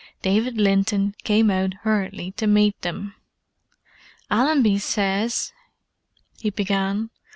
David Linton came out hurriedly to meet them. "Allenby says——" he began.